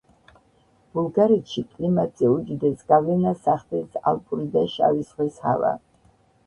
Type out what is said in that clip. ბულგარეთში კლიმატზე უდიდეს გავლენას ახდენს ალპური და შავი ზღვის ჰავა.